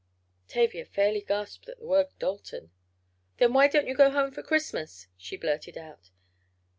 Tavia fairly gasped at the word "Dalton." "Then why don't you go home for Christmas?" she blurted out.